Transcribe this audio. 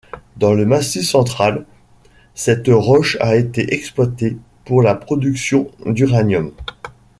Dans le Massif Central, cette roche a été exploitée pour la production d'uranium.